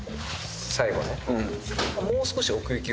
最後ね？